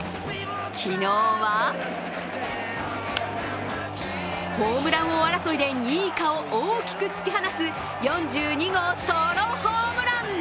昨日はホームラン王争いで２位以下を大きく突き放す４２号ソロホームラン。